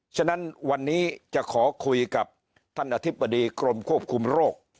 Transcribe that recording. ฉะนั้นวันนี้จะขอคุยกับท่านอธิบดีกรมควบคุมโรค